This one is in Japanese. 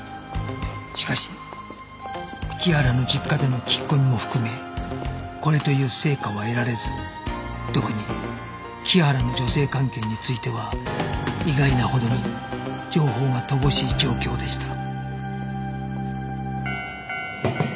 しかし木原の実家での聞き込みも含めこれという成果は得られず特に木原の女性関係については意外なほどに情報が乏しい状況でした